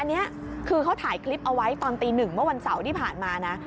อันนี้คือเขาถ่ายคลิปเอาไว้ตอนตีหนึ่งเมื่อวันเสาร์ที่ผ่านมานะ